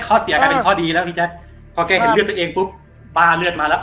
ข้อเสียกลายเป็นข้อดีแล้วพี่แจ๊คพอแกเห็นเลือดตัวเองปุ๊บป้าเลือดมาแล้ว